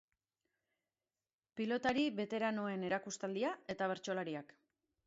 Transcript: Pilotari beteranoen erakustaldia eta bertsolariak.